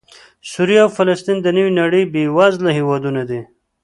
سوریه او فلسطین د نوې نړۍ بېوزله هېوادونه دي